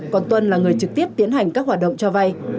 còn tuân là người trực tiếp tiến hành các hoạt động cho vay